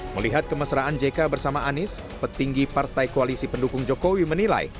melihat kemesraan jk bersama anies petinggi partai koalisi pendukung jokowi menilai